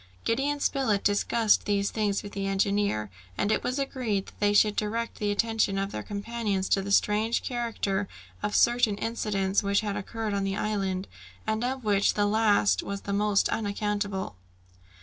Gideon Spilett discussed these things with the engineer, and it was agreed that they should direct the attention of their companions to the strange character of certain incidents which had occurred on the island, and of which the last was the most unaccountable.